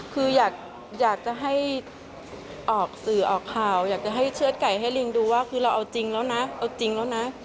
คืออยากจะให้ออกสื่อออกข่าวอยากจะให้เชื่อดไก่ให้ลิงดูว่าคือเราเอาจริงแล้วนะเอาจริงแล้วนะ